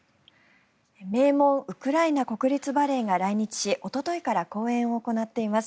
名門ウクライナ国立バレエが来日しおとといから公演を行っています。